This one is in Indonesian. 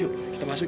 yuk kita masuk yuk